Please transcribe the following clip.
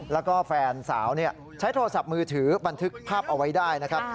แล้วก็แฟนสาวใช้โทรศัพท์มือถือบันทึกภาพเอาไว้ได้นะครับ